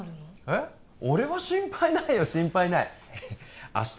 え俺は心配ないよ心配ない明日